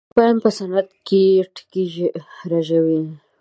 اروپايان په صنعت کې ټکي رژوي.